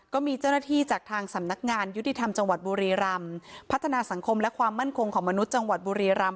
ก็มีเจ้าหน้าที่จากทางสำนักงานยุติธรรมจังหวัดบุรีรำพัฒนาสังคมและความมั่นคงของมนุษย์จังหวัดบุรีรำ